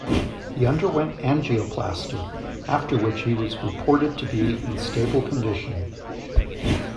He underwent angioplasty after which he was reported to be in stable condition.